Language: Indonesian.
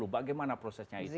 bagaimana prosesnya itu